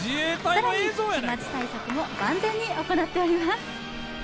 更に飛まつ対策も万全に行っております。